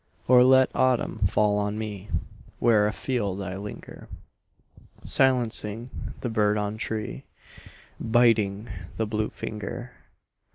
Or let autumn fall on me Where afield I linger, Silencing the bird on tree, Biting the blue finger.